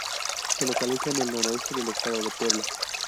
Se localiza en el noroeste del estado de Puebla.